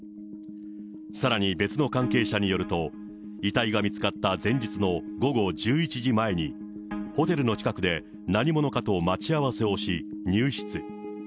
さらに別の関係者によると、遺体が見つかった前日の午後１１時前に、ホテルの近くで何者かと待ち合わせをし、入室。